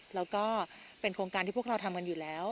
แล้วก็เป็นโครงการที่พวกเราทำกันอยู่แล้ว